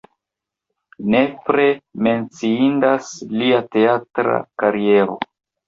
Nepre menciindas lia teatra kariero.